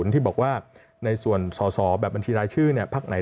ที่บอกว่าในส่วนสอแบบบัญชีรายชื่อเนี่ย